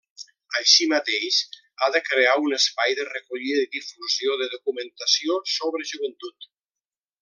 Així mateix, ha de crear un espai de recollida i difusió de documentació sobre joventut.